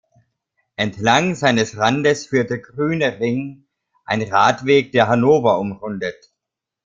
Entlang seines Randes führt der Grüne Ring, ein Radweg, der Hannover umrundet.